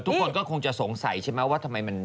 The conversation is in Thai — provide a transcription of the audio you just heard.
ทุกคนก็คงจะสงสัยใช่ว่าไม่มัน